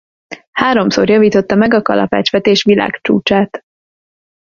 Háromszor javította meg a kalapácsvetés világcsúcsát.